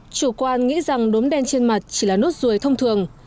chủ quan nghĩ rằng đốm đen trên mặt chỉ là nốt ruồi thông thường